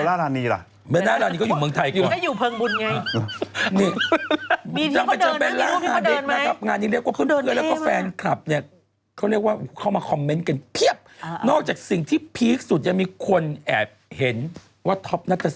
แล้วหุ่นดีอะไม่ใช่ออกแบบว่าตัวเป็นล่ำปึ๊บแบบสวยอะ